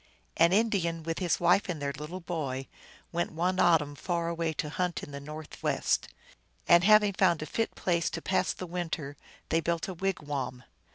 An Indian, with his wife and their little boy, went one autumn far away to hunt in the northwest. And having found a fit place to pass the winter, they built a wigwam.